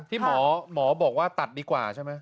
ที่หมอบอกว่าตัดดีกว่าใช่ไหม